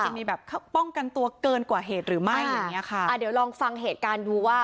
จะมีแบบป้องกันตัวเกินกว่าเหตุหรือไม่อย่างเงี้ค่ะอ่าเดี๋ยวลองฟังเหตุการณ์ดูว่า